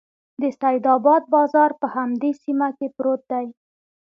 د سیدآباد بازار په همدې سیمه کې پروت دی.